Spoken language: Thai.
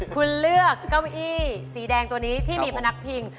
คุณเลือกเก้าอี้สีแดงตัวนี้ที่มีพนักพิง